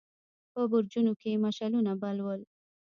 په برجونو کې يې مشعلونه بل ول.